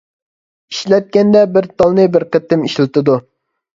ئىشلەتكەندە بىر تالنى بىر قېتىم ئىشلىتىلىدۇ.